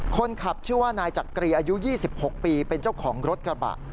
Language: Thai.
คนขับชื่อว่านายจักรีอายุ๒๖ปีเป็นเจ้าของรถกระบะ